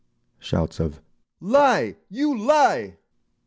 Shouts of "Lie! You lie!"